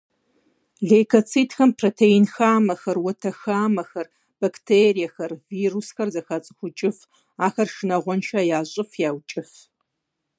Лейкоцитхэм протеин хамэхэр, уэтэ хамэхэр, бактериехэр, вирусхэр зэхацӏыхукӏыф, ахэр шынагъуэншэ ящӏыф, яукӏыф.